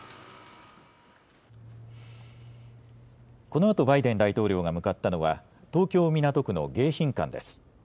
このあとバイデン大統領が向かったのは東京港区の迎賓館です。